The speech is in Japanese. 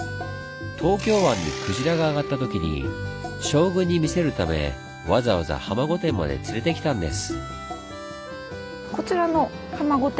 東京湾に鯨があがったときに将軍に見せるためわざわざ浜御殿まで連れてきたんです。